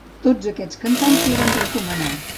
Tots aquests cantants la van recomanar.